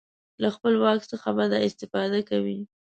له خپل واک څخه بده استفاده کوي.